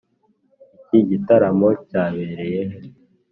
iki gitaramo cyabereye he?